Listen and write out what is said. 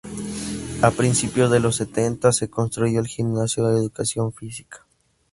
A principios de los setenta se construyó el gimnasio de Educación Física.